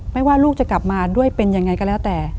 ไม่ว่าลูกจะกลับมาด้วยเป็นยังไงก็แล้วแต่